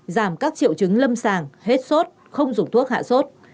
giảm các triệu chứng lâm sàng hết sốt không dùng thuốc hạ sốt